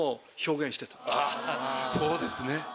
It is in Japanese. そうですね。